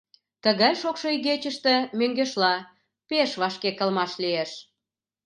— Тыгай шокшо игечыште, мӧҥгешла, пеш вашке кылмаш лиеш.